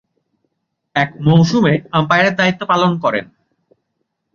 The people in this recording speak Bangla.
এক মৌসুমে আম্পায়ারের দায়িত্ব পালন করেন।